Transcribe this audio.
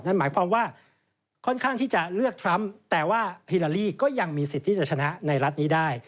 นั่นหมายความว่าค่อนข้างที่จะเลือกทรัมป์แต่ว่าฮิลาลีก็ยังมีสิทธิ์ที่จะชนะในรัฐนี้ได้